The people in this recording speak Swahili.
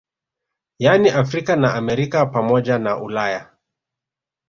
Yani Afrika na Amerika pamoja na Ulaya